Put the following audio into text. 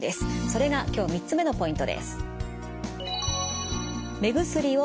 それが今日３つ目のポイントです。